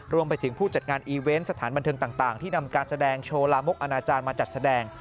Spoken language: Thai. รวมไปถึงผู้จัดงานอีเวนต์สถานบันเทิงต่างที่นำการแสดงโชว์ลามกอนาจารย์มาจัดแสดง